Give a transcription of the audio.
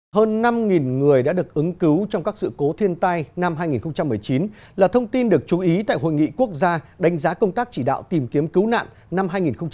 hơn năm người đã được ứng cứu trong các sự cố thiên tai năm hai nghìn một mươi chín là thông tin được chú ý tại hội nghị quốc gia đánh giá công tác chỉ đạo tìm kiếm cứu nạn năm hai nghìn hai mươi